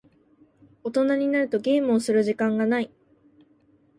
大人になるとゲームをする時間がない。